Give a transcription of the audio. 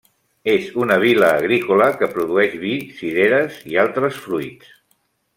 És una vila agrícola que produeix vi, cireres, i altres fruits.